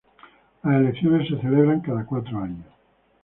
Las elecciones se celebran cada cuatro años.